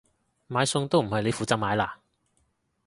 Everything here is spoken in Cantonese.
買餸都唔係你負責買啦？